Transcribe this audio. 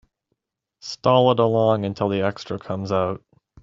Stall it along until the extra comes out.